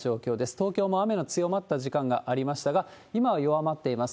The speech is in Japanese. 東京も雨の強まった時間がありましたが、今は弱まっています。